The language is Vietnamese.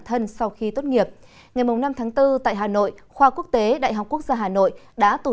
thân sau khi tốt nghiệp ngày năm tháng bốn tại hà nội khoa quốc tế đại học quốc gia hà nội đã tổ